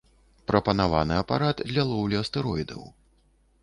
Прапанаваны апарат для лоўлі астэроідаў.